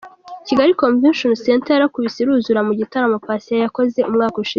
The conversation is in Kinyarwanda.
Kigali Convention Centre yarakubise iruzura mu gitaramo Patient yakoze umwaka ushize.